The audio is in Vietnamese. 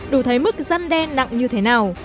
đủ thấy mức răn đen nặng như thế nào